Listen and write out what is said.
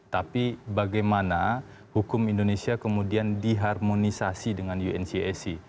tapi bagaimana hukum indonesia kemudian diharmonisasi dengan uncac